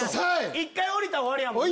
１回下りたら終わりやもんな。